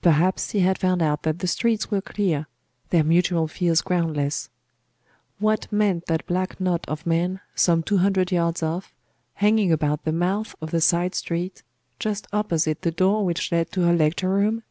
Perhaps he had found out that the streets were clear; their mutual fears groundless.... What meant that black knot of men some two hundred yards off, hanging about the mouth of the side street, just opposite the door which led to her lecture room?